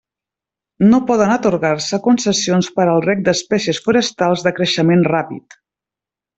No poden atorgar-se concessions per al reg d'espècies forestals de creixement ràpid.